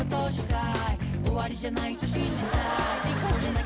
「終わりじゃないと信じたいけど」